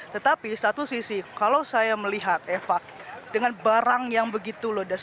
tetapi satu sisi kalau saya melihat eva dengan barang yang begitu ledas